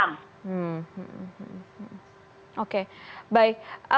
hmm oke baik